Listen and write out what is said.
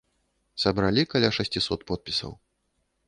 Сабралі каля шасцісот подпісаў.